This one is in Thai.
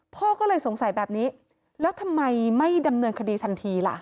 พ่อก็เลยสงสัยแบบนี้แล้วทำไมไม่ดำเนินคดีทันทีล่ะ